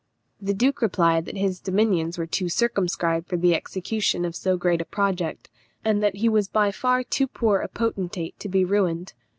The duke replied that his dominions were too circumscribed for the execution of so great a project, and that he was by far too poor a potentate to be ruined.